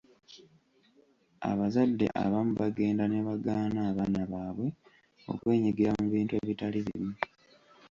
Abazadde abamu bagenda ne bagaana abaana baabwe okwenyigira mu bintu ebitali bimu.